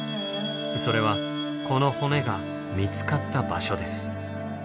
それはこの骨が見つかった場所です。